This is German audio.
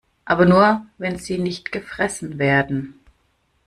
Aber nur, wenn sie nicht gefressen werden.